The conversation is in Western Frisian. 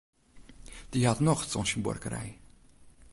Dy hat nocht oan syn buorkerij.